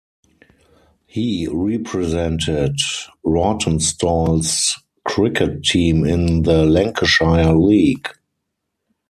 He represented Rawtenstall's cricket team in the Lancashire League.